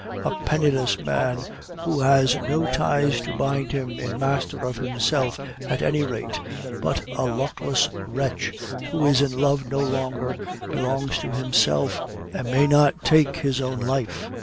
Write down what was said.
A penniless man who has no ties to bind him is master of himself at any rate, but a luckless wretch who is in love no longer belongs to himself, and may not take his own life.